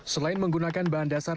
selain menggunakan bahan dasar